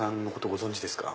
ご存じですか？